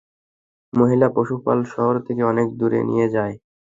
মহিলা পশুপাল শহর থেকে অনেক দূরে নিয়ে যায়।